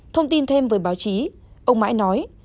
thông tin thêm với báo chí ông mãi nói